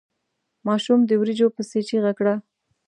ماشوم د وريجو پسې چيغه کړه.